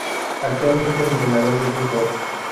Actualmente Entrenador de Fútbol.